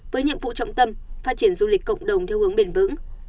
với nhiệm vụ trọng tâm phát triển du lịch cộng đồng theo hướng bền vững